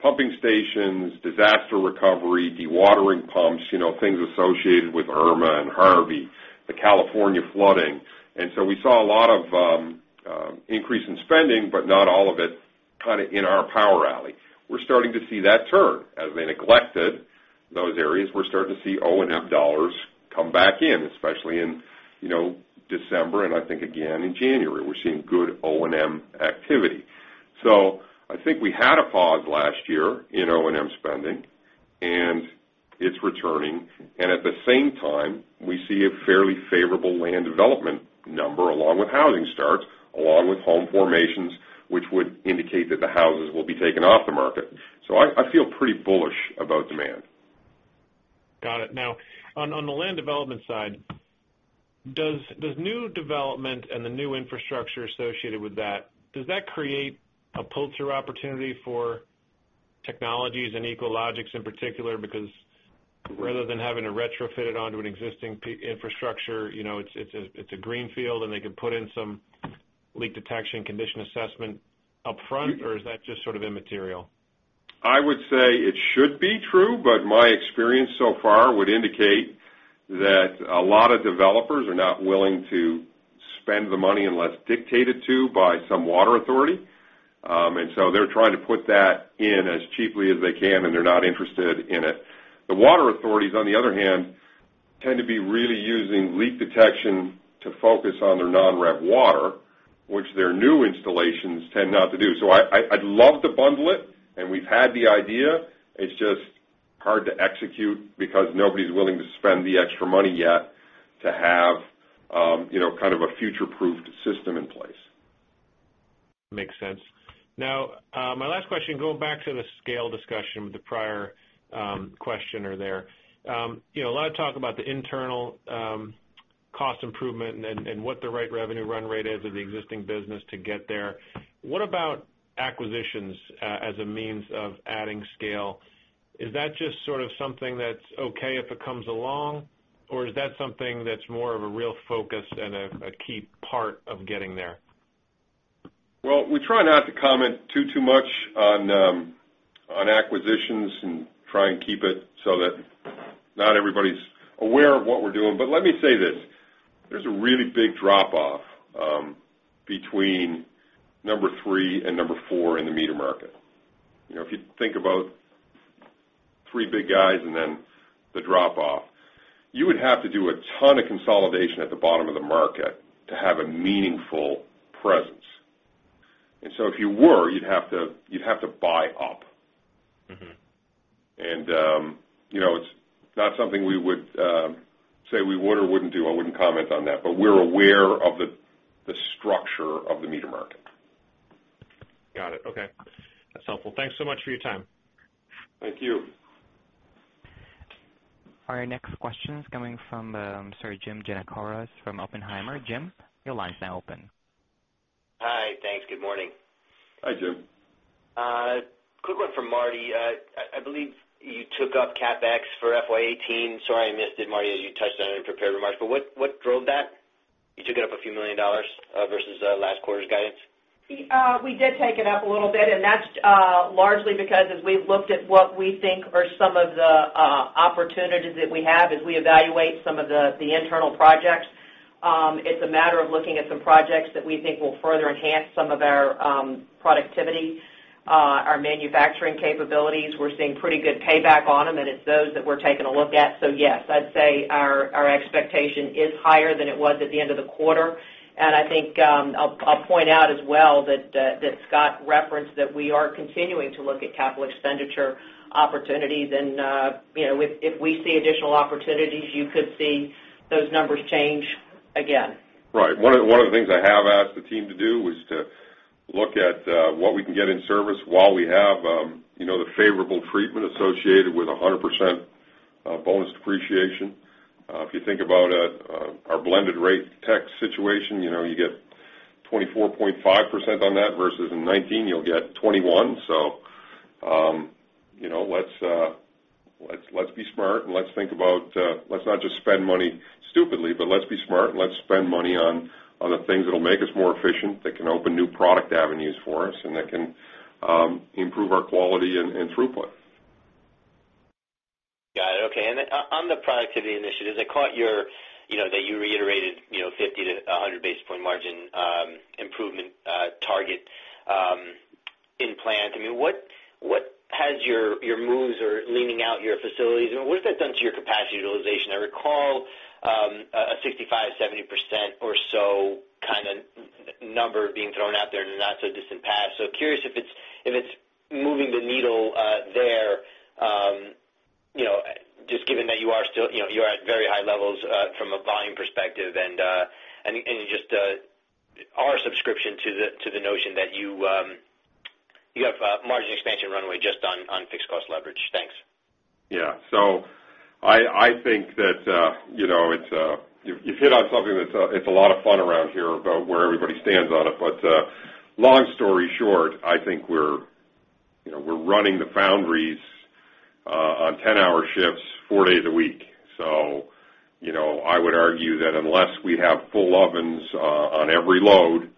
pumping stations, disaster recovery, dewatering pumps, things associated with Irma and Harvey, the California flooding. We saw a lot of increase in spending, not all of it in our power alley. We're starting to see that turn. As they neglected those areas, we're starting to see O&M dollars come back in, especially in December and I think again in January. We're seeing good O&M activity. I think we had a pause last year in O&M spending, and it's returning. At the same time, we see a fairly favorable land development number along with housing starts, along with home formations, which would indicate that the houses will be taken off the market. I feel pretty bullish about demand. Got it. On the land development side, does new development and the new infrastructure associated with that, does that create a pull-through opportunity for technologies and Echologics in particular? Because rather than having to retrofit it onto an existing infrastructure, it's a greenfield, and they can put in some leak detection condition assessment upfront, or is that just sort of immaterial? I would say it should be true, but my experience so far would indicate that a lot of developers are not willing to spend the money unless dictated to by some water authority. They're trying to put that in as cheaply as they can, and they're not interested in it. The water authorities, on the other hand, tend to be really using leak detection to focus on their non-revenue water, which their new installations tend not to do. I'd love to bundle it, and we've had the idea. It's just hard to execute because nobody's willing to spend the extra money yet to have kind of a future-proofed system in place. Makes sense. My last question, going back to the scale discussion with the prior questioner there. A lot of talk about the internal cost improvement and what the right revenue run rate is of the existing business to get there. What about acquisitions as a means of adding scale? Is that just sort of something that's okay if it comes along, or is that something that's more of a real focus and a key part of getting there? We try not to comment too much on acquisitions and try and keep it so that not everybody's aware of what we're doing. Let me say this: there's a really big drop-off between number 3 and number 4 in the meter market. If you think about three big guys and then the drop-off, you would have to do a ton of consolidation at the bottom of the market to have a meaningful presence. If you were, you'd have to buy up. It's not something we would say we would or wouldn't do. I wouldn't comment on that, but we're aware of the structure of the meter market. Got it. Okay. That's helpful. Thanks so much for your time. Thank you. Our next question is coming from, sorry, Jim Giannakouros from Oppenheimer. Jim, your line's now open. Hi. Thanks. Good morning. Hi, Jim. Quick one for Marty. I believe you took up CapEx for FY 2018. Sorry I missed it, Marty, as you touched on it in prepared remarks. What drove that? You took it up a few million dollars versus last quarter's guidance. We did take it up a little bit. That's largely because as we've looked at what we think are some of the opportunities that we have as we evaluate some of the internal projects, it's a matter of looking at some projects that we think will further enhance some of our productivity, our manufacturing capabilities. We're seeing pretty good payback on them, and it's those that we're taking a look at. Yes, I'd say our expectation is higher than it was at the end of the quarter. I think I'll point out as well that Scott referenced that we are continuing to look at capital expenditure opportunities, and if we see additional opportunities, you could see those numbers change again. Right. One of the things I have asked the team to do was to look at what we can get in service while we have the favorable treatment associated with 100% bonus depreciation. If you think about our blended rate tax situation, you get 24.5% on that versus in 2019, you'll get 21%. Let's be smart and let's not just spend money stupidly, but let's be smart and let's spend money on the things that'll make us more efficient, that can open new product avenues for us, and that can improve our quality and throughput. Got it. Okay. On the productivity initiatives, I caught that you reiterated 50 to 100 basis point margin improvement target in plant. What has your moves or leaning out your facilities, what has that done to your capacity utilization? I recall a 65%-70% or so kind of number being thrown out there in the not so distant past. Curious if it's moving the needle there, just given that you are at very high levels from a volume perspective and just our subscription to the notion that you have margin expansion runway just on fixed cost leverage. Thanks. Yeah. I think that you've hit on something that's a lot of fun around here about where everybody stands on it. Long story short, I think we're running the foundries on 10-hour shifts, four days a week. I would argue that unless we have full ovens on every load,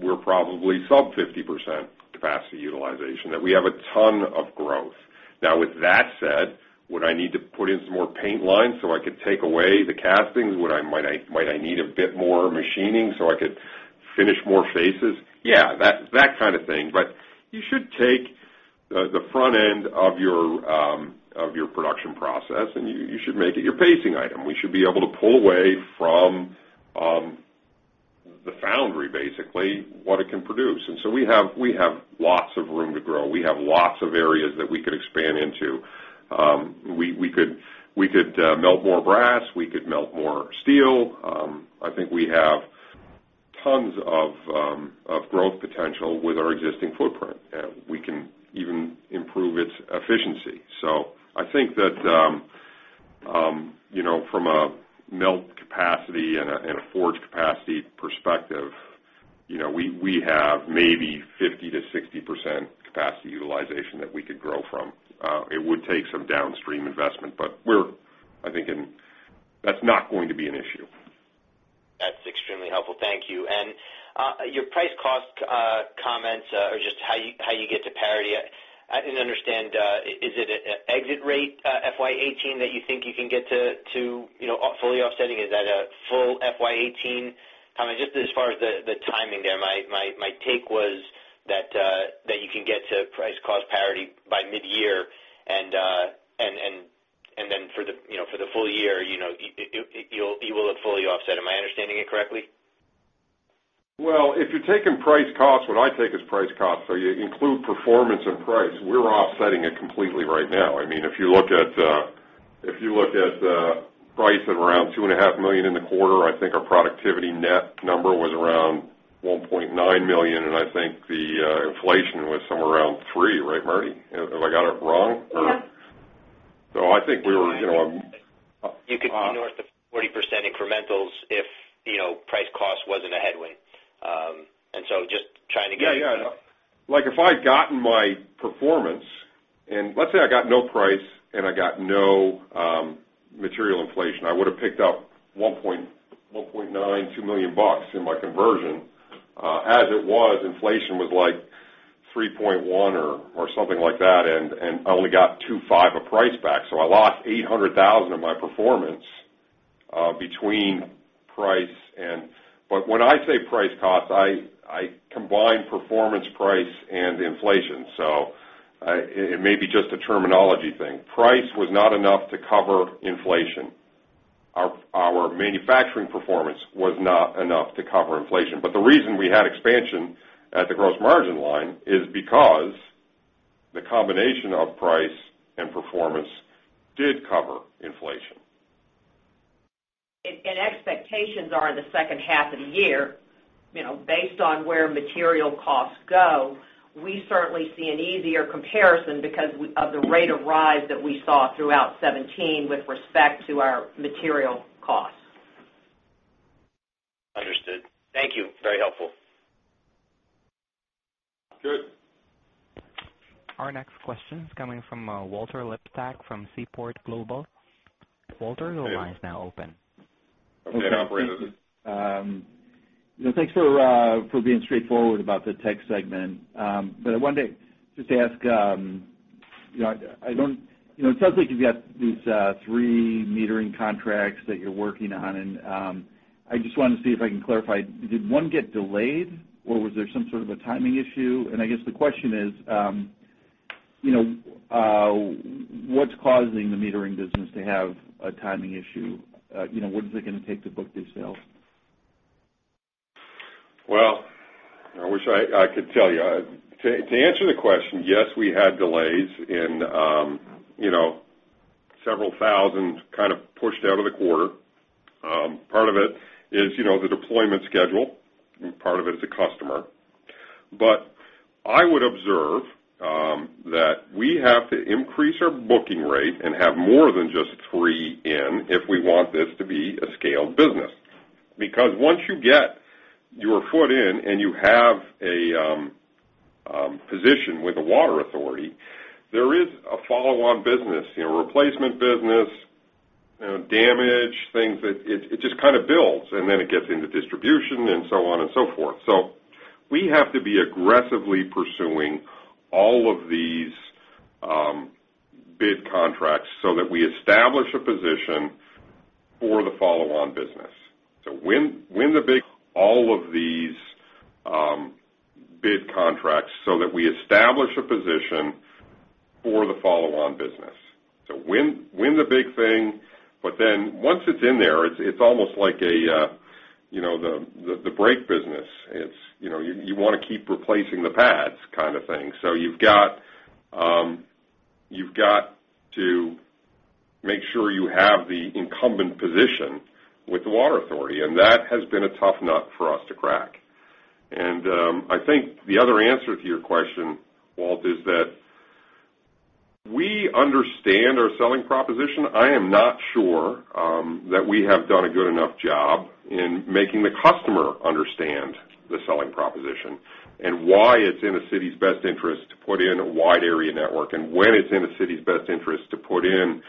we're probably sub 50% capacity utilization, that we have a ton of growth. Now, with that said, would I need to put in some more paint lines so I could take away the castings? Might I need a bit more machining so I could finish more faces? Yeah, that kind of thing. You should take the front end of your production process, and you should make it your pacing item. We should be able to pull away from the foundry, basically, what it can produce. We have lots of room to grow. We have lots of areas that we could expand into. We could melt more brass. We could melt more steel. I think we have tons of growth potential with our existing footprint, and we can even improve its efficiency. I think that from a melt capacity and a forge capacity perspective, we have maybe 50%-60% capacity utilization that we could grow from. It would take some downstream investment, but I think that's not going to be an issue. That's extremely helpful. Thank you. Your price cost comments are just how you get to parity. I didn't understand, is it an exit rate FY 2018 that you think you can get to fully offsetting? Is that a full FY 2018? Just as far as the timing there. My take was that you can get to price cost parity by mid-year, and then for the full year, you will have fully offset. Am I understanding it correctly? If you're taking price cost, what I take as price cost, you include performance and price, we're offsetting it completely right now. If you look at price at around $2.5 million in the quarter, I think our productivity net number was around $1.9 million, and I think the inflation was somewhere around $3, right, Marty? Have I got it wrong? Yeah. I think we were- You could be north of 40% incrementals if price cost wasn't a headwind. Yeah. Like if I'd gotten my performance, and let's say I got no price and I got no material inflation, I would've picked up $1.9 million, $2 million in my conversion. As it was, inflation was like 3.1% or something like that, I only got 2.5% of price back. I lost $800,000 of my performance between price and when I say price cost, I combine performance price and inflation. It may be just a terminology thing. Price was not enough to cover inflation. Our manufacturing performance was not enough to cover inflation. The reason we had expansion at the gross margin line is because the combination of price and performance did cover inflation. Expectations are in the second half of the year. Based on where material costs go, we certainly see an easier comparison because of the rate of rise that we saw throughout 2017 with respect to our material costs. Understood. Thank you. Very helpful. Good. Our next question is coming from Walter Liptak from Seaport Global. Walter, your line is now open. Okay, operator. Thanks for being straightforward about the tech segment. I wanted to just ask, it sounds like you've got these three metering contracts that you're working on, and I just wanted to see if I can clarify, did one get delayed, or was there some sort of a timing issue? I guess the question is, what's causing the metering business to have a timing issue? What is it going to take to book these sales? I wish I could tell you. To answer the question, yes, we had delays in several thousand kind of pushed out of the quarter. Part of it is the deployment schedule, and part of it is the customer. I would observe that we have to increase our booking rate and have more than just three in if we want this to be a scaled business. Once you get your foot in and you have a position with the water authority, there is a follow-on business, replacement business, damage, things that it just kind of builds, and then it gets into distribution and so on and so forth. We have to be aggressively pursuing all of these bid contracts so that we establish a position for the follow-on business. Win the big thing, but then once it's in there, it's almost like the brake business. You want to keep replacing the pads kind of thing. You've got to make sure you have the incumbent position with the water authority, and that has been a tough nut for us to crack. I think the other answer to your question, Walt, is that we understand our selling proposition. I am not sure that we have done a good enough job in making the customer understand the selling proposition and why it's in a city's best interest to put in a wide area network, and when it's in a city's best interest to put in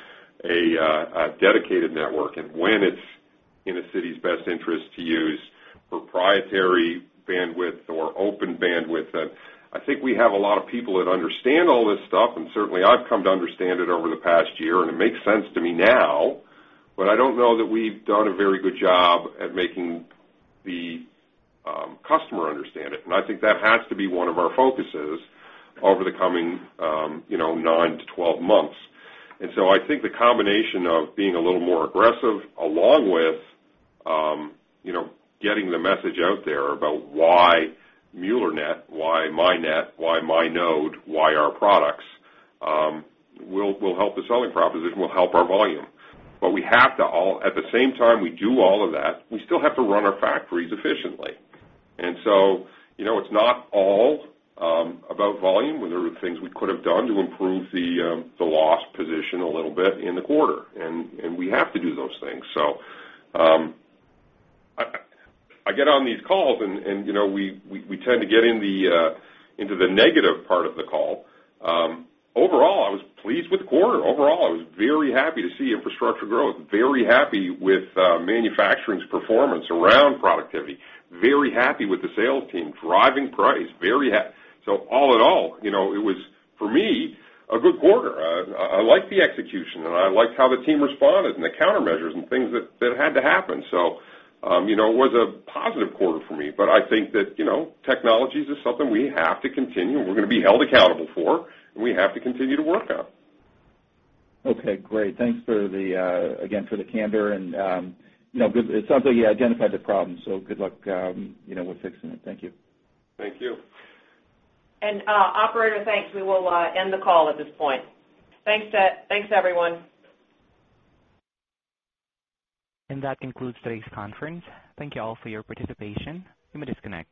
a dedicated network, and when it's in a city's best interest to use proprietary bandwidth or open bandwidth. I think we have a lot of people that understand all this stuff, and certainly I've come to understand it over the past year, and it makes sense to me now, I don't know that we've done a very good job at making the customer understand it. I think that has to be one of our focuses over the coming nine to 12 months. I think the combination of being a little more aggressive, along with getting the message out there about why MuellerNet, why Mi.Net, why Mi.Node, why our products will help the selling proposition, will help our volume. At the same time we do all of that, we still have to run our factories efficiently. It's not all about volume, and there are things we could have done to improve the loss position a little bit in the quarter, and we have to do those things. I get on these calls and we tend to get into the negative part of the call. Overall, I was pleased with the quarter. Overall, I was very happy to see infrastructure growth, very happy with manufacturing's performance around productivity, very happy with the sales team driving price, very happy. All in all, it was, for me, a good quarter. I liked the execution, and I liked how the team responded, and the countermeasures and things that had to happen. It was a positive quarter for me. I think that technologies is something we have to continue, and we're going to be held accountable for, and we have to continue to work on. Okay, great. Thanks, again, for the candor. It sounds like you identified the problem, good luck with fixing it. Thank you. Thank you. Operator, thanks. We will end the call at this point. Thanks, everyone. That concludes today's conference. Thank you all for your participation. You may disconnect.